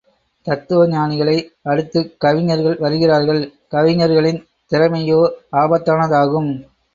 தத்துவஞானிகளை அடுத்துக் கவிஞர்கள் வருகிறார்கள், கவிஞர்களின் திறமையோ ஆபத்தானதாகும்.